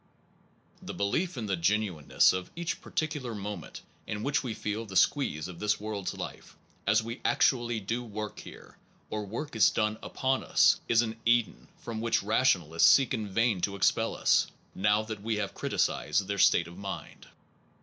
The belief in the genuineness of each particular moment in which we feel the squeeze of this world s life, as we actually do work here, or work is done upon us, is an Eden from which rationalists seek in vain to expel us, now that we have criticized their state of mind.